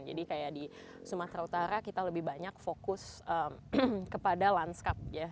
jadi kayak di sumatera utara kita lebih banyak fokus kepada landscape ya